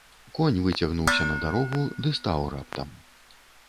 Конь выцягнуўся на дарогу ды стаў раптам.